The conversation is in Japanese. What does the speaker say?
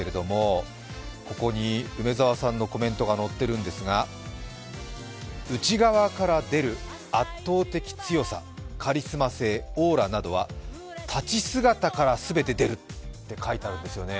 パンフレットがあるんですが内側から出る圧倒的強さ、カリスマ性、オーラなどは立ち姿からすべて出るって書いてあるんですよね。